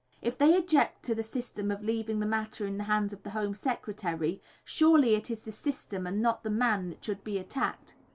If they object to the system of leaving the matter in the hands of the Home Secretary, surely it is the system, and not the man, that should be attacked.